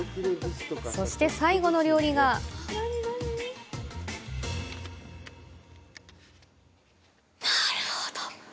そして、最後の料理がなるほど！